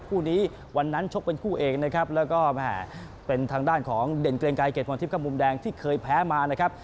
คู่นี้วันนั้นชกเป็นคู่เอกนะครับแล้วก็แหมเป็นทางด้านของเด่นเกรงไกรเกรดพรทิพย์มุมแดงที่เคยแพ้มานะครับ